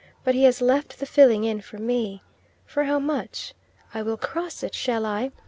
But he has left the filling in for me. For how much? I will cross it, shall I?